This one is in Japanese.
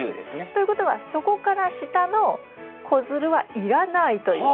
ということはそこから下の子づるはいらないということ。